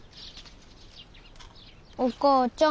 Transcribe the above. お母ちゃん。